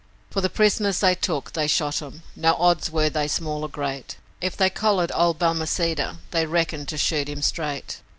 For the pris'ners they took they shot 'em; no odds were they small or great, If they'd collared old Balmaceda, they reckoned to shoot him straight.